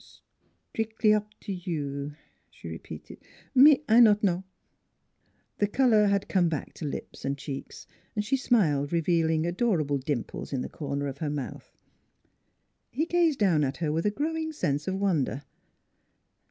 " Stric'ly up t' you," she repeated; "me I not know." The color had come back to lips and cheeks. She smiled, revealing adorable dimples in the cor ners of her mouth. He gazed down at her with a growing sense of wonder.